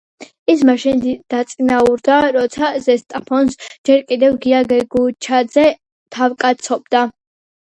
ის მაშინ დაწინაურდა, როცა „ზესტაფონს“ ჯერ კიდევ გია გეგუჩაძე თავკაცობდა.